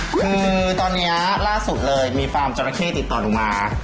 คือตอนนี้ล่าสุดเลยมีฟาร์มจราเข้ติดต่อหนูมา